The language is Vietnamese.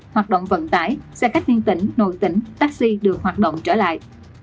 bốn hoạt động vận tải xe cách thiên tỉnh nội tỉnh taxi được hoạt động trở lại